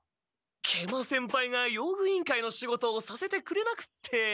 食満先輩が用具委員会の仕事をさせてくれなくって。